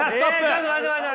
ちょっと待って待って。